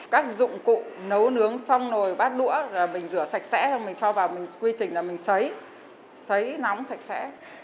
các dụng cụ nấu nướng xong rồi bát đũa rồi mình rửa sạch sẽ mình cho vào mình quy trình là mình sấy sấy nóng sạch sẽ